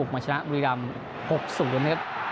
มาชนะภูริรัม๖๐นะครับ